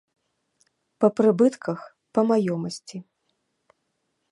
Па прыбытках, па маёмасці.